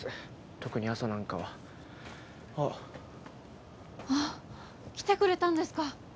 特に朝なんかはあっあっ来てくれたんですか